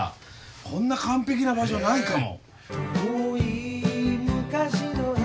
こんな完璧な場所ないかも。